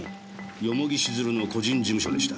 蓬城静流の個人事務所でした。